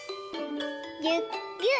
ぎゅっぎゅっ。